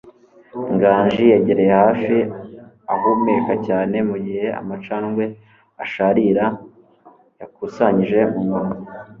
Nganji yegereye hafi, ahumeka cyane, mugihe amacandwe asharira yakusanyije mumunwa.